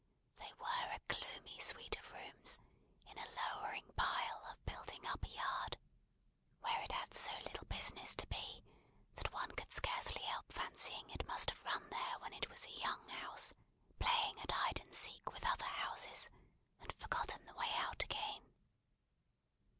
They were a gloomy suite of rooms, in a lowering pile of building up a yard, where it had so little business to be, that one could scarcely help fancying it must have run there when it was a young house, playing at hide and seek with other houses, and forgotten the way out again.